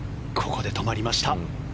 ここで止まりました。